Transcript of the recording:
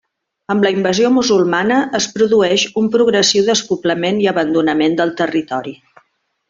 Amb la invasió musulmana, es produeix un progressiu despoblament i abandonament del territori.